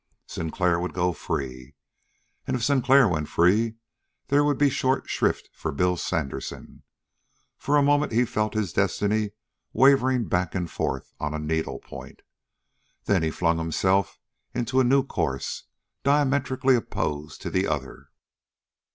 Sinclair would go free. And if Sinclair went free, there would be short shrift for Bill Sandersen. For a moment he felt his destiny wavering back and forth on a needle point. Then he flung himself into a new course diametrically opposed to the other.